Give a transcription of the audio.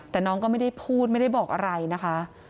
แต่น้องก็ไม่ได้พูดไม่ได้บอกอะไรนะคะ